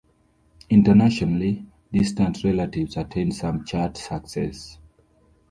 Internationally, "Distant Relatives" attained some chart success.